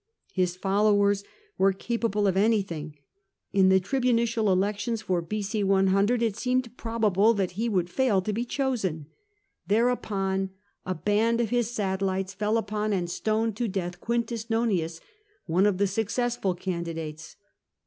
His followers were capable of anything : in the tribunicial elections for B.c. lOO it seemed probable that he would fail to be chosen. Thereupon a band of his satellites fell upon and stoned to death Q. Nonius, one of the successful candidates.